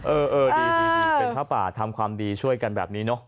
เออดีเป็นผ้าป่าทำความดีช่วยกันแบบนี้เนอะ